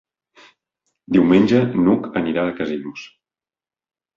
Diumenge n'Hug anirà a Casinos.